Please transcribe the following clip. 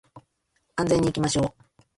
安全に行きましょう